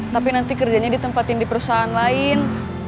tapi nanti kerjanya ditempatin di perusahaan lain